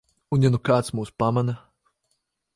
Un ja nu kāds mūs pamana?